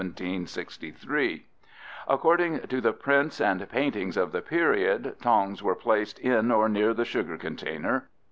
According to the prints and paintings of the period, tongs were placed in or near the sugar container.